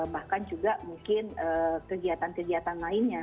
bahkan juga mungkin kegiatan kegiatan lainnya